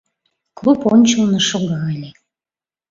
— Клуб ончылно шога ыле.